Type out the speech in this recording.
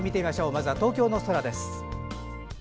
まずは東京の空です。